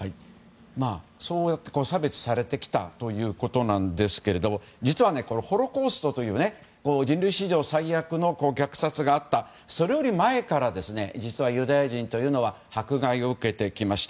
そうやって差別されてきたということですが実は、ホロコーストという人類史上最悪の虐殺があったそれより前から実はユダヤ人というのは迫害を受けてきました。